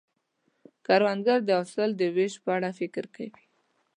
کروندګر د حاصل د ویش په اړه فکر کوي